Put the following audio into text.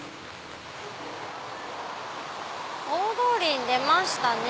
大通りに出ましたね。